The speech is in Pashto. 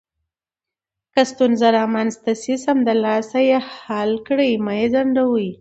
که ستونزه رامنځته شي، سمدلاسه یې حل کړئ، مه یې ځنډوئ.